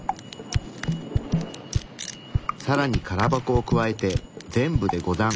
さらに空箱を加えて全部で５段。